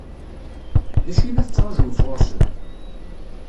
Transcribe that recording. D acu i la tettṛaǧum sɣur-sent?